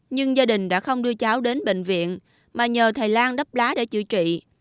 nhưng gia đình đã không đưa cháu đến bệnh viện mà nhờ thầy lan đắp lá để chữa trị